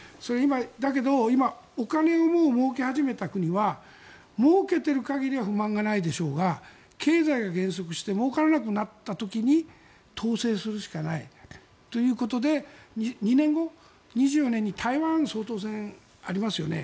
だけど今、お金をもうけ始めた国はもうけている限りは不満がないでしょうが経済が減速してもうからなくなった時に統制するしかないということで２年後、２４年に台湾総統選がありますよね。